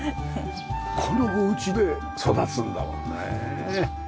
このお家で育つんだもんねえ。